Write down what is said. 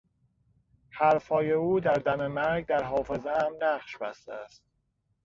حرفهای او در دم مرگ در حافظهام نقش بسته است.